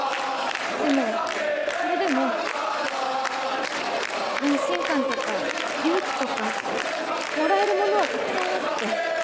でもそれでも安心感とか勇気とかもらえるものはたくさんあって。